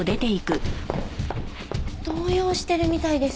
動揺してるみたいです。